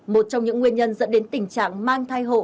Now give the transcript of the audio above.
một trong những nguyên nhân dẫn đến tình trạng mang thai hộ